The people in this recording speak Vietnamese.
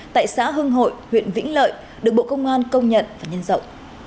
tại xã hưng hội huyện vĩnh lợi được bộ công an công nhận và nhân rộng